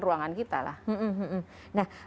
ruangan kita lah nah